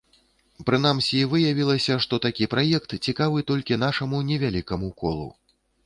Прынамсі, выявілася, што такі праект цікавы толькі нашаму невялікаму колу.